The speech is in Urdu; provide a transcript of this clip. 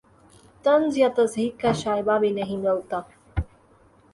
طنز یا تضحیک کا شائبہ بھی نہیں ملتا